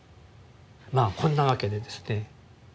まあこんなわけでですね